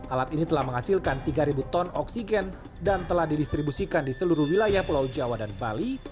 alat ini telah menghasilkan tiga ton oksigen dan telah didistribusikan di seluruh wilayah pulau jawa dan bali